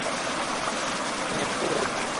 হেই, আমি বুঝতে পেরেছি।